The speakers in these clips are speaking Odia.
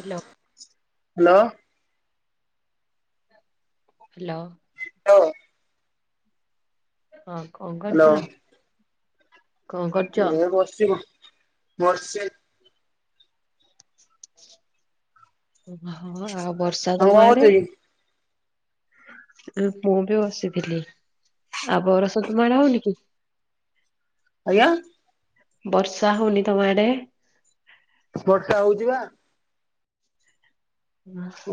ହେଲୋ। ହାଲୋ। ହେଲୋ। ଲୋ ହଁ କଁ ହ୍ୟାଲୋ କରୁଥୁଲ? ଏ ବସିଚି ବସତି। ଓ ହୁଆ ହଁ ହଁ ଆଉ ବର୍ଷା ଆଉ ତମ କଣ ଆଡ଼େ? କରୁଛ କି? ଆ ମୁଁ ବି ବସିଥିଲି। ଆଉ ବରଷା ତୁମ ଆଡ଼େ ହଉନି କି? ଆଁ? ବର୍ଷା ହଉନି ତମ ଆଡେ? ବର୍ଷା ହଉଛି ବା।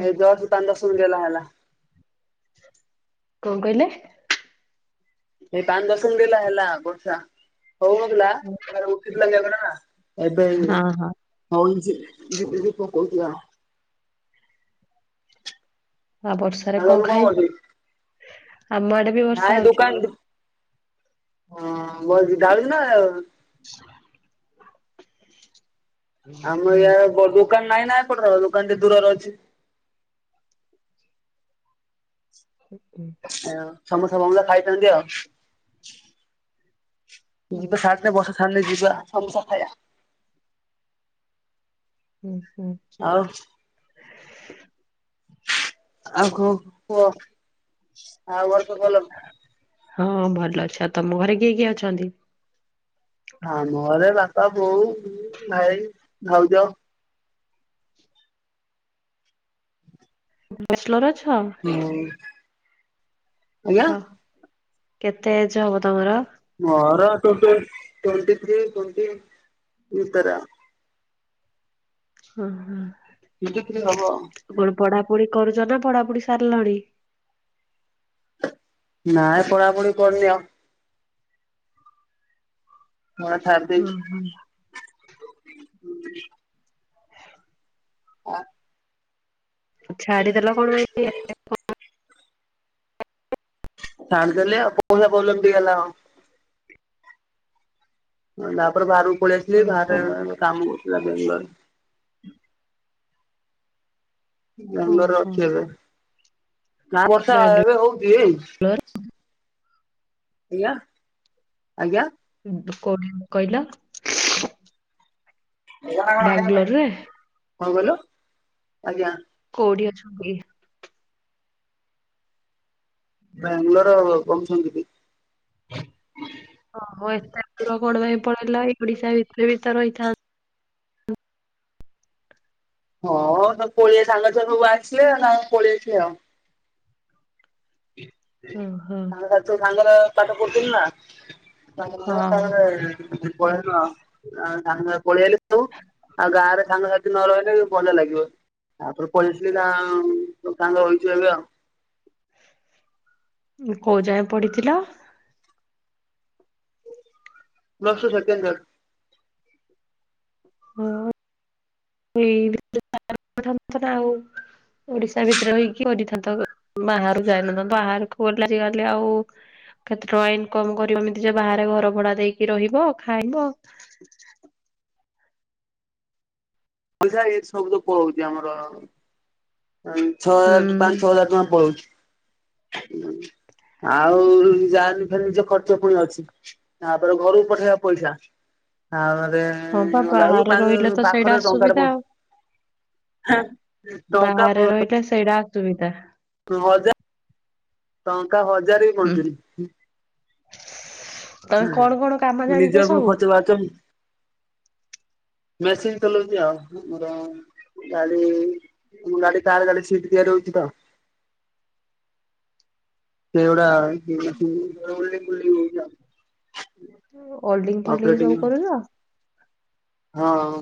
ଏ ଦର୍ସ ତାଣ୍ଡବ ସୁଭିଲେ ହେଲା। କଣ କହିଲେ? ଏ ପାଞ୍ଚ ଦଶ ମିନିଟ ହେ ହେଲା ଗୋର୍ଷା । ହଉ ନ ଥିଲା ଏବେ ଉଠି ଥିଲା ହଁ ହଁ [unintelligible] ଝିପି ଝିପି ପକଉଛି ହଁ। ଆ ବର୍ଷାରେ ଆଉ ତମେ କଣ କରୁଛ ଖାଇଛ? କି? ଆମ ଆଡେ ବି ନାଇଁ ବର୍ଷା ହଉଛି ଦୋକାନ । ହଁ ବହୁତ ଗାଳୁଛି ନା ଗାଳୁନି। [unintelligible] ହୁଁ ଆମର ୟ [unintelligible] ଦୋକାନ ନାଇ ନା ଏପଟ ର ଦୋକାନଟେ ଦୂରରେ ଅଛି । [inaudible] ସମସ୍ତେ [unintelligible] ପାଇଥାନ୍ତି ଆଉ। ହୁଁ ତ ସଠ ବସ ଖାନେ ଜିବା ଆମିସ ଖାଇଆ। ହୁଁ। ହୁଁ ଆଉ [unintelligible] ଆଉ କଣ କୁହ [unintelligible] ହଁ ଭଲ ଅଛ। ତମ ଘରେ କିଏ କିଏ ଅଛନ୍ତି? ହଁ ଆମ ଘରେ ବାପା, ବୋଉ, ମୁଁ, ଭାଇ, ଭାଉଜ । ବସ୍ଲୋରଜ? ହୁଁ । ଆଜ୍ଞା କେତେ ଏଜ ହବ ତମର? ମୋର ଟ୍ୱେଟି ଟ୍ୱେଟିଥ୍ରୀ ଟ୍ୱେଟି ଭିତରେ ଆଉ। ହଁ ହଁ । [unintelligible] ହବ । ପଢାପଢି କରୁଛ ନା ପଢାପଢି ସାରିଲଣି? ନା ପଢାପଢି କରନି ଆଉ । ନା ଛାଡି ହଁ ହଁ ଦେଇଛି। ଆ ଛାଡିଦେଲ କଣ ପାଇଁ [inaudible] ଛାଡି ଦେଲି ଆଉ ପଇସା ପ୍ରୋବ୍ଲେମ ଟିକେ ହେଲା। ତାପରେ ବାହାରକୁ ପଳେଇ ଆସିଲି ଓହୋ ବାହାର କାମ କରଥିଲା ବେଙ୍ଗଲୋର ବ୍ୟାଙ୍ଗଲୋରରେ ଓହୋ ଅଛୁ ଏବେ, ଗାଁ ବର୍ଷା ବାଙ୍ଗଲୋର ଏବେ ହଉଛି-ଇ-ଇ? [unintelligible] ଆଜ୍ଞା ଆଜ୍ଞା କୋଉଠି କହିଲ? ବ୍ୟାଙ୍ଗଲୋରରେ? କଣ କହିଲା ଆଜ୍ଞା । କୋଉଠି ଅଛ ବୋଲି ବ୍ୟାଙ୍ଗଲୋର ରା [unintelligible] ଦିଦି। ଓହୋ ଏତେ ଦୂର କଣ ପାଇଁ ପଳେଇଲା ଏଇ ଓଡିଶା ଭିତରେ ଭି ତ ରହିଥାନ୍ତ ହଁ ତ ପୋଳିଏ ସାଙ୍ଗ ସବୁ ଆସିଲେ ଆ ନାଇ ପଳେଇ ଆସିଲି ଆଉ । ଓହୋ ସାଙ୍ଗ ସାଥିରେ ସାଙ୍ଗର ପାଠ ପଢୁଥିଲି ନା । ତାଙ୍ଗ ତାଙ୍କ ହଁ [unintelligible] ପଳେଇ ନୁହ ତା ସାଙ୍ଗ ପଳେଇଆଇଲି । ତୁ ଆଉ ଗାଁରେ ସାଙ୍ଗ ସାଥି ନ ରହିଲେ ବି ଭଲ ଲାଗିବ [unintelligible] ଉଁ କୋଉ ଯାଏ ପଡିଥିଲ? Plus two second year. ହଁ [unintelligible] ଆଉ ଓଡିଶା ଭିତେରେ ରହିକି କରିଥାନ୍ତ। ବାହାରୁକୁ ଯାଇନଥାନ୍ତ। ବାହାରୁକୁ ଗଲେ ଆଜିକାଲି ଆଉ କେତେ ଟଙ୍କା ଇନକମ୍ କରିବ ଏମିତି ଯେ ବାହାରେ ଘର ଭଡା ଦେଇକି ରହିବ, ଖାଇବ। [unintelligible] ପଇସା ଏଇ ସବୁ ତ ପଳଉଛି ଆମର। ଆଁ ହୁଁ ଛଅ ପାଞ୍ଚ ଛଅ ହଜାର ଟଙ୍କା ପଳଉଛି। ଉଁ ଆଉ ଯା [unintelligible] ଫେରେ ନିଜ ଖର୍ଚ୍ଚ ପୁଣି ଅଛି। ତାପରେ ଘରୁକୁ ପଠେଇଆ ପଇସା। ଆଉ ହଁ ବା [unintelligible] ଗଲା ବେଳକୁ ବାହାରେ ପାଖ୍ ରହିଲେ ତ ସେଇଟା ପାଖରେ ଟଙ୍କା ଟେ ଅସୁବିଧା ପ ଆଉ। ଏଁ ବାହାରେ ରହିଲେ ସେଇଟା ଅସୁବିଧା। ହଜାର ଟଙ୍କା ହଜାର ବି ହୁଁ ବଞ୍ଚୁନି। ତମେ କଣ କଣ କାମ ହୁଁ ଜାଣିଛ ନିଜର ପୁଣି ସବୁ? ଖର୍ଚ୍ଚ ବାର୍ଚ୍ଚ। ମେସିନ୍ ଚଲଉଛି ଆଉ ମୁର ଗାଡି ଗାଡି କାର ଗାଡି ସିଟ୍ ତିଆରି ହଉଛି ତ। [unintelligible] ସେଗୁଡା ମେସିନ ଓଲଡିଂ ଫୋଲଡିଂ ହଉଚି ଆଉ। ଓଲଡିଙ୍ଗ ଫୋଲଡିଙ୍ଗ ସବୁ କରୁଛ? ହଁ।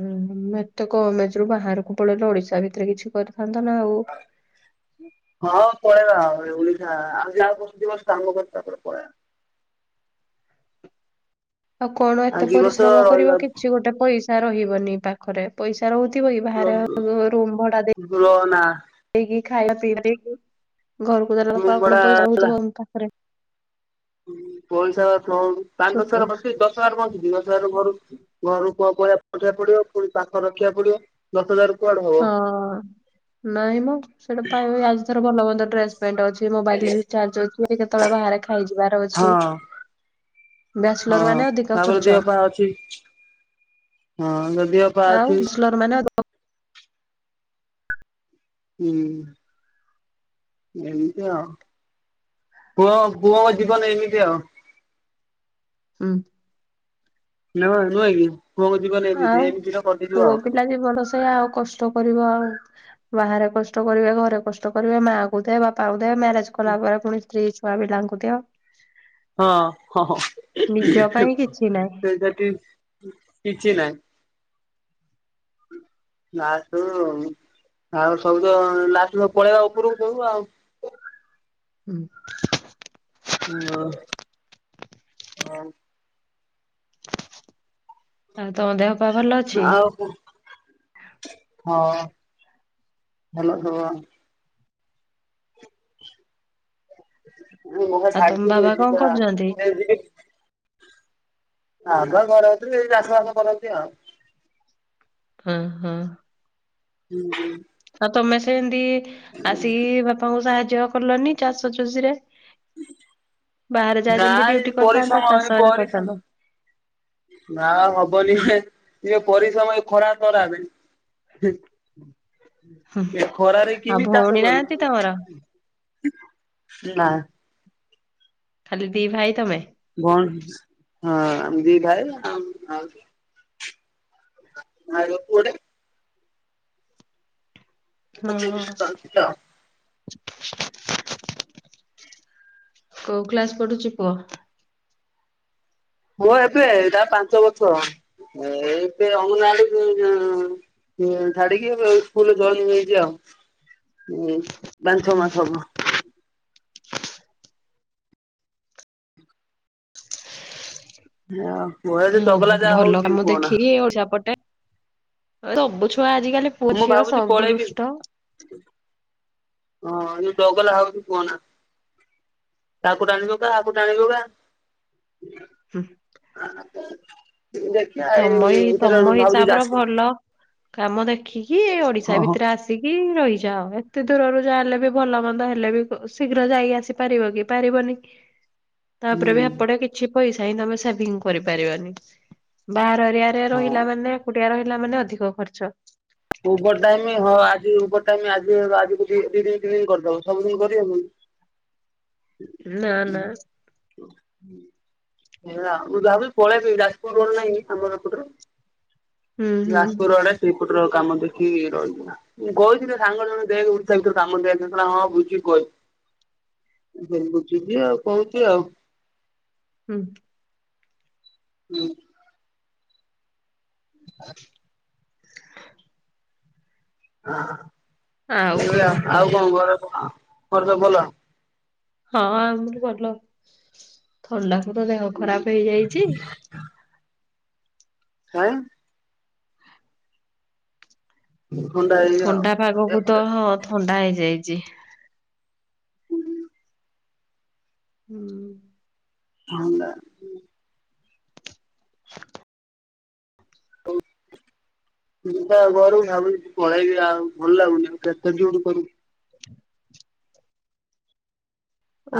ହୁଁ ହୁଁ ଏତେ କମ୍ ଏଜରୁ ବାହାରକୁ ପଳେଇଲ ଓଡିଶା ଭିତରେ କିଛି କରି ହଁ ପଳେଇବା ଆଉ ଓଡିଶା ଆଉ ଆଉ ବର୍ଷେ ଦିବର୍ଷ କାମକରି ତାପରେ ପଳେଇଆ। ଆଉ କଣ ଆଉ ଏତେ ଦି ବର୍ଷ ପରିଶ୍ରମ କରିବ ରହିବା କିଛି ଗୋଟେ ପଇସା ରହିବନି ପାଖରେ ପଇସା ରହୁଥିବ କି ର ବାହାରେ ରୁ-ରୁମ ଭଡା ର ନା ଦେ-ଦେଇକି। ଖାଇବା ପିଇବା ଦେଇକି। ଘରକୁ ଦେଲା ବେଳକୁ ରୁମ୍ ଆଉ ଭଡା କଣ ପଇସା ରହୁଥିବ ମ ପାଖରେ। ଉଁ ପଇସା ପ୍ଲ ପାଞ୍ଚ ଦଶ ଛୋଟ ହଜାର ବଞ୍ଚୁଛି। ଦଶ ହଜାର ବଞ୍ଚୁଛି। ଦଶ ହଜାର ଘରୁକୁ ଘରୁ ପୁଅ [unintelligible] ପଡିବ ପୁଣି ପାଖରେ ରଖିବାକୁ ପଡିବ ଦଶ ହଜାର କୁଆଡେ ହବ। ହଁ ନାଇଁ ମ ସେଇଟା [unintelligible] ଆଜି ଧର ଭଲ ମନ୍ଦ ଡ୍ରେସ ପେଣ୍ଟ ଅଛି। ମୋବାଇଲ ରିଚାର୍ଜ ଅଛି। କି କେତେବେଳେ ବାହାରେ ଖାଇଯିବାର ଅଛି। ହଁ ବ୍ୟାଚଲର ହଁ ମାନେ ଅଧିକ ତାପରେ ଖର୍ଚ୍ଚ। ଦେହ ପା ଅଛି ହଁ ଦେହ ପା ଆଉ ଅଛି ବ୍ୟାଚଲର ମାନେ ଅ ହୁଁ। ଏମିତି ଆଉ। ପୁଅ ପୁଅଙ୍କ ଜୀବନ ଏମିତି ଆଉ। ଉଁ। ନା କଣ ନୁହେଁକି? ଆଉ ପୁଅ ପିଲା ଜୀବନ ସେୟା ଆଉ କଷ୍ଟ କରିବ ଆଉ। ବାହାରେ କଷ୍ଟ କରିବେ, ଘରେ କଷ୍ଟ କରିବେ, ମା କହୁଥିବେ, ବାପା କହୁଥିବେ, ମ୍ୟାରେଜ କଲା ପରେ ପୁଣି ସ୍ତ୍ରୀ ଛୁଆ ପିଲାଙ୍କୁ ଦିଅ। ହଁ ହଁ ହଁ ହିଁ ନିଜ ହିଁ ପାଇଁ କିଛି ନାହିଁ। ସେ ଯଦି କିଛି ନାହିଁ। ଲାଷ୍ଟ ବେଳୁ ଆଉ ସବୁ ତ ଲାଷ୍ଟକୁ ସବୁ ପଳେଇବା ଉପରକୁ ସବୁ ଆଉ। ହୁଁ। ହୁଁ ଆଉ। ଆଉ ତମ ଦେହ ପାହ ଭଲ ଅଛି? ଆଉ ହଁ ହେଲେ ସେ। [unintelligible] ଆଉ ତମ ବାବା କଣ କରୁଛନ୍ତି? [unintelligible] [unintelligible] ଘରେ ରହୁଥିଲି ଏଇ ଚାଷବାସ କରନ୍ତି ଆଉ। ହୁଁ ହୁଁ। ହୁଁ। ତମେ ସେମତି ଆସିକି ବାପାଙ୍କୁ ସାହାଯ୍ୟ କଲନି ଚାଷ ଚୁଷି ରେ? ବାହାରେ ଯାଏ ନା ଯେମିତି ଏ ଯୋଉ ଡିୟୁଟି ପରିଶ୍ରମ କରିଥାନ୍ତା ଏ ଚାଷରେ ପରିଶ୍ରମ କରିଥାନ୍ତ। ନା ହବନି ପରିଶ୍ରମ ଖରା ତରା଼ରେ ଏ ଖରା ରେ ଆଉ କେମିତି ଚାଷ ଭଉଣୀ ନାହାନ୍ତି କରୁଚୁ? ତମର? ନା ଖାଲି ଦି ଭାଇ ତମେ? ଭଉଣୀ ହଁ ଆମ ଦି ଭାଇ ଆଉ ଆଉ ଭାଇ ର ପୁଅଟେ। ହଁ [unintelligible] [inaudible] କୋଉ କ୍ଳାସ ପଢୁଛି ପୁଅ? ମୁଁ ଏବେ ତା ପାଞ୍ଚ ବର୍ଷ ଏ ଏବେ ଅଙ୍ଗନାବଡି ହୁଁ ଛାଡିକି ସ୍କୁଲ ଜଏନ୍ ହେଇଛି ଆଉ ହୁଁ । ପାଞ୍ଚ ଛଅ ମାସ ହବ। ଝିଅ ଓହୋ ଭଲ କାମ ଦେଖିକି ଓଡିଆ ପଟେ ସବୁ ଛୁଆ ଆଜିିକାଲି ପୁଅ ମୁଁ ଝିଅ ଭାବୁଛି ସବୁ ପଳେଇବି ଦୁଷ୍ଟ। ଜଗଲା ହୋଉଛି କୁହନା କାହାକୁ ଟାଣିବ କା କାକୁ ଟାଣିବୁ କା ହୁଁ। ଦେଖିବା ଏଇ ତମ ଏ ଭିତରେ ତମ ଭାବୁଛି ହିସାବ ର ଯାଜପୁର ଭଲ କାମ ଦେଖିକି ଏଇ ଓଡିଶା ହଁ ହଁ ଭିତରେ ଆସିକି ରହି ଯା ହୋଉ ଏତେ ଦୂରରୁ ଯା ହେଲେ ବି ଭଲ ମନ୍ଦ ହେଲେ ବି ଶୀଘ୍ର ଯାଇକି ଆସିପାରିବ କି ପାରିବନି। ତାପରେ ବି ହୁଁ ଏପଟେ କିଛି ପଇସା ହିଁ ତମେ ସେଭିଙ୍ଗ କରିପାରିବାନି ବାହାରରେ ସିଆରେ ହଁ ରହିଲା ମାନେ କୁଟିଆ ରହିଲା ମାନେ ଅଧିକ ଖର୍ଚ୍ଚ। ଓଭର ଟାଇମ୍ ହଁ ଆଜିର ଓଭର ଟାଇମ ସବୁ ଦିନ କରିହବକି। ନା ନା। ହେଲୋ ମୁଁ ଭାବିଛି ପଳେଇବି ଯାଜପୁର ନାହିଁ ଆମର ଏପଟର । ହୁଁ ହୁଁ ଯାଜପୁର ରୋଡେ ଶ୍ରୀପୁର ରୋ କାମ ଦେଖିକି ରହିଥିଲା ମୁଁ କହୁଥିଲି ସାଙ୍ଗ ଜଣେ ଦେକ ଓଡିଶା ଭିତରେ କାମ ଦଆଥିଲା ହଁ ବୁଝିକି କହ [inaudible] ଯେବି ଯିବି ଆଉ କହୁଚି ଆଉ। ହୁଁ। ହୁଁ। [inaudible] [inaudible] ଆଉ ଆହାଃ ଏ କଣ ଭଳିଆ କୁହ? ଆଉ କଣ ଘରେ କଣ ଘରେ ସବୁ ଭଲ? ହଁ ଆମର ଭଲ ଥଣ୍ଡାକୁ ତ ଦେହ ଖରାପ ହେଇଯାଇଛି। [unintelligible] ଥଣ୍ଡା ହେଇନି ଆଉ। ଥଣ୍ଡା ପାଗକୁ ତ ହଁ ଥଣ୍ଡା ହେଇଯାଇଛି। ହୁଁ। ଥଣ୍ଡା [inaudible] ଯିବା ଘରୁ ଭାବୁ ପଳେଇବି ଆଉ ଭଲ ଲାଗୁନି ଆଉ କେତେ ଡିୟୁଟି କରିବୁ।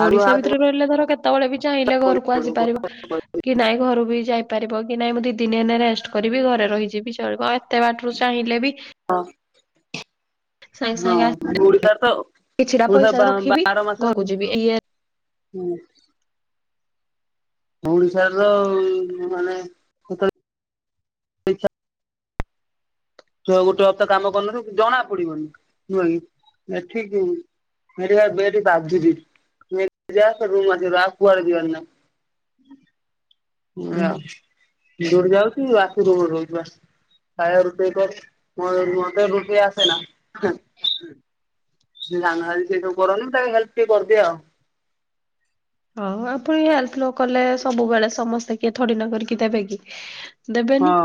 ଆଗୁଆ ଓଡିଶା ଭିତରେ ରହିଲେ ଧର କେତେବେଳେ ବି ଚାହିଁଲେ ଘରକୁ ଆସିପାରିବ କି ନାଇଁ ଘରୁ ବି ଯାଇପାରିବ କି ନାଇଁ ମୁଁ ଦି ଦିନି ହେ ରେଷ୍ଟ କରିବି ଘରେ ରହିଯିବି ଚଳିବ ଆଉ ଏତେ ବାଟରୁ ଚାହିଁଲେ ବି ହଁ। ସାଙ୍ଗେ ସାଙ୍ଗେ ଆସି ହଁ ଓଡିଶାରେ ତ କିଛିଟା ଓଡିଶା ପଇସା ରଖିବି ବାର ମାସରେ ଘରକୁ ଯିବି ଇଏ ହୁଁ। ଓଡିଶାରେ ତ ମାନେ ସେତେଳେ ଦେଖିଆ ଗୋଟେ ହପ୍ତା କାମ କରିନଥିବୁ ଜଣା ପଡିବନି ନୁହେଁ କି ଏଠି ଏଠିପା ବେ ଏଠି ବାଧୁଚିଯା [unintelligible] କୁଆଡେ ଯିବାର ନାହିଁ । ହୁଁ। ଆ ଯୋଉଠି ଯାଉଚି ଆସୁଚି ରୁମରେ ରହୁିଚି ବାସ୍। [unintelligible] ମୋତେ ରୁଟି ଆସେ ନା। ସେ ସାନ ଭାଇ ସେ ସବୁ କରନ୍ତି ମୁଁ ତାକୁ ହେଲ୍ପ ଟିକେ କରିଦିଏ ଆଉ। ହଁ ଆପଣ ହେଲ୍ପ ନ କଲେ ସବୁବେଳେ ସମସ୍ତେ କିଏ ଥୋଡିନା କରିକି ଦେବେ କି ଦେବେନି।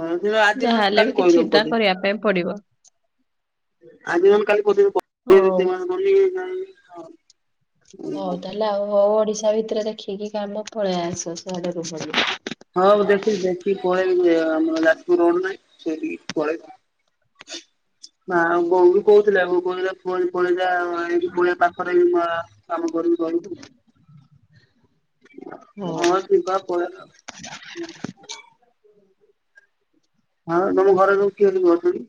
ହଁ ଆଜି ନହଲେ ଯାହାହେଲେ ବି କାଲି କହିଦବ କିଛିଟା ପଦେ। କରିବା ପାଇଁ ପଡିବ ଆଜି ନହେଲେ କାଲି ପଦେ ବି ହଉ। [unintelligible] ହୋଉ ତାହେଲେ ଆଉ ହୋଉ ଓଡିଶା ଭିତରେ ଦେଖିକି କାମ ପଳେଇ ଆସ ସିଆଡେ ରୁୁହନି। ମୁଁ ଣଁ ସେ ପେଇ ନା କ ବି କହୁଥିଲେ ବୋଉ ବି କୋହୁଥିଲା [unintelligible] ପଳେଆ ପାଖରେ ଘରେ କାମ କରିବୁ ରହିବୁ। ହଉ। ହଁ ଜିବା ପଳେଇବା ଆଉ। ହଁ ତମର ଘରେ ସବୁ କିଏ [unintelligible] ଅଛନ୍ତି?